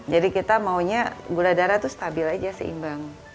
jadi kita maunya gula darah itu stabil aja seimbang